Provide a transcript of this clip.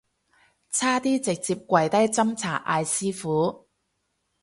差啲直接跪低斟茶嗌師父